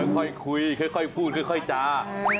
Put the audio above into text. ค่อยคุยพูดจ่า